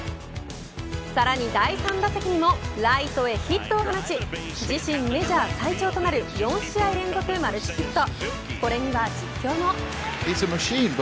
さらに第３打席にもライトへヒットを放ち自身メジャー最長となる４試合連続マルチヒット。